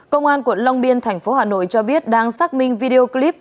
công an quận long biên thành phố hà nội cho biết đang xác minh video clip